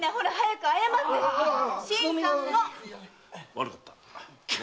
悪かった。